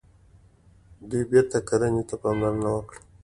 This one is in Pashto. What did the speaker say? دوی بیرته کرنې ته پاملرنه وکړه.